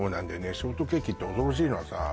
ショートケーキって恐ろしいのはさ